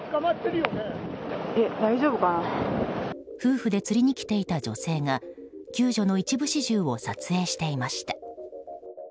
夫婦で釣りに来ていた女性が救助の一部始終を撮影していました。